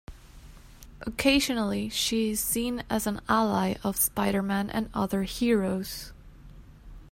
Occasionally, she is seen as an ally of Spider-Man and other heroes.